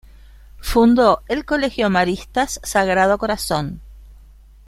Fundó el Colegio Maristas Sagrado Corazón.